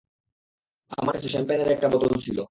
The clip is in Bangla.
আমার কাছে শ্যাম্পেনের একটা বোতল ছিল।